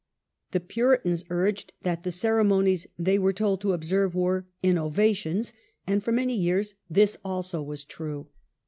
The Puritans urged that the ceremonies they were told to observe were " innovations ", and for many years this also was true.